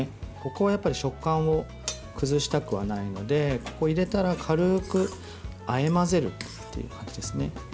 ここはやっぱり食感を崩したくはないので入れたら、軽くあえ混ぜるという感じですね。